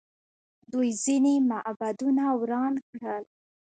دوی ځینې معبدونه وران کړل